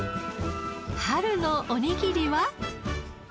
春のおにぎりは？